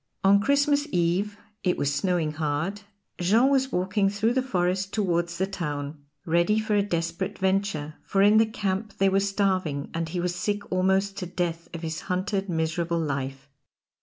On Christmas Eve it was snowing hard Jean was walking through the forest towards the town, ready for a desperate venture, for in the camp they were starving, and he was sick almost to death of his hunted, miserable life.